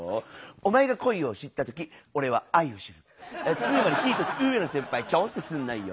お前が恋を知った時俺は愛を知るあつまり１つ上の先輩ちょんってすなよ